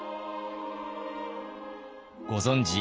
ご存じ